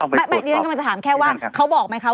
ไม่เดี๋ยวท่านจะถามแค่ว่าเขาบอกไหมคะ